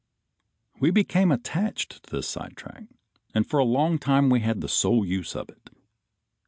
We became attached to this sidetrack, and for a long time had the sole use of it.